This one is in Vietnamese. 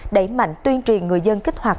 đẩy mạnh tuyên truyền người dân kích hoạt